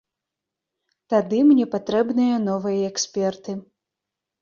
Тады мне патрэбныя новыя эксперты.